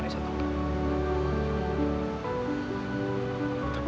udah mak udah ya